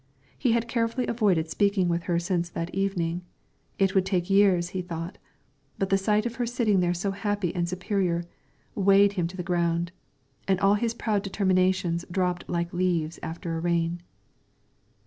He had carefully avoided speaking with her since that evening, it would take years, he thought; but the sight of her sitting there so happy and superior, weighed him to the ground, and all his proud determinations drooped like leaves after a rain.